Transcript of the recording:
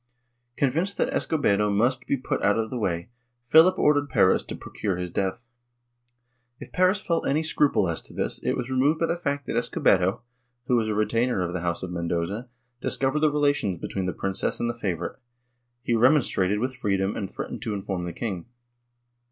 Convinced that Escobedo must be put out of the way, Philip ordered Perez to procure his death. If Perez felt any scruple as to this, it was removed by the fact that Escobedo, who was a retainer of the house of Mendoza, discovered the relations between the princess and the favorite; he remonstrated with freedom and threatened to inform the king.